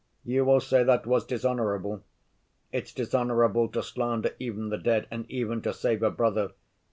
You will say that was dishonorable: it's dishonorable to slander even the dead, and even to save a brother.